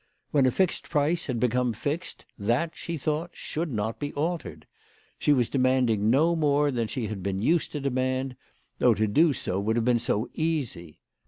When a fixed price had become fixed, that, she thought, should not be altered. She was demanding no more than she had been used to demand, though to do so would have been so easy